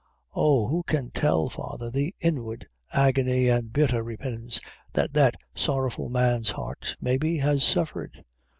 "Oh, who can tell, father, the inward agony and bitther repentance that that sorrowful man's heart, maybe, has suffered.